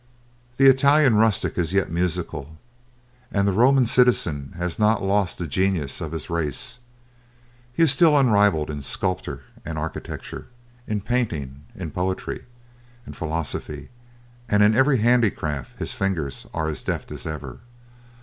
The Italian rustic is yet musical, and the Roman citizen has not lost the genius of his race. He is still unrivalled in sculpture and architecture, in painting, in poetry, and philosophy; and in every handicraft his fingers are as deft as ever.